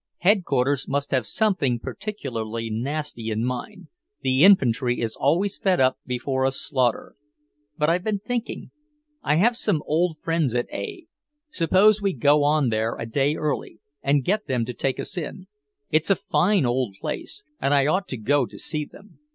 Headquarters must have something particularly nasty in mind; the infantry is always fed up before a slaughter. But I've been thinking; I have some old friends at A . Suppose we go on there a day early, and get them to take us in? It's a fine old place, and I ought to go to see them.